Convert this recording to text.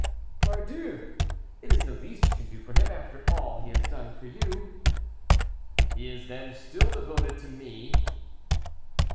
"Pardieu! it is the least you can do for him, after all he has done for you." "He is then still devoted to me?"